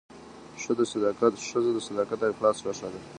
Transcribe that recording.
ښځه د صداقت او اخلاص نښه ده.